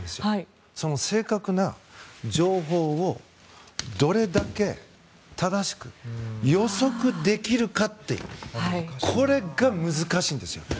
その正確な情報をどれだけ正しく予測できるかってこれが難しいんです。